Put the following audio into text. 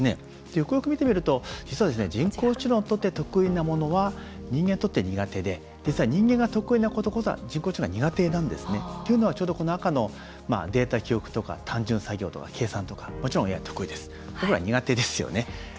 よくよく見てみると実は人工知能にとって得意なものは人間にとって苦手で人間名得意なことこそが人工知能が苦手なんですよね。ということは赤のデータ記憶とか単純作業とかが得意で僕らはこれは苦手ですね。